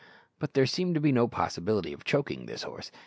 But there seemed to be no possibility of choking this horse.